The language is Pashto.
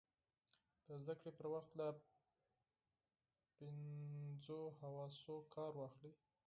د زده کړې پر وخت له پینځو حواسو کار واخلئ.